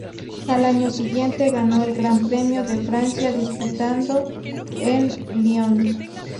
Al año siguiente ganó el Gran Premio de Francia, disputado en Lyon.